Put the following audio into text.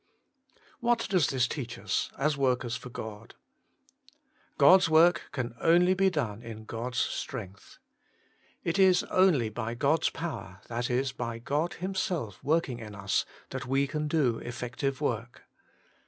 What does this teach us as workers for God. God's work can only be done in God's strength. — It is only by God's power, that is, by God Himself working in us, that we can do effective work.